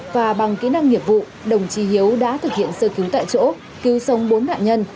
và bằng kỹ năng nghiệp vụ đồng chí hiếu đã thực hiện sơ cứu tại chỗ cứu sống bốn nạn nhân